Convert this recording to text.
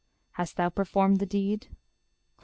_ Hast thou performed the deed? Cly.